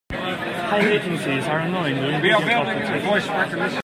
High latencies are annoying during video conferences.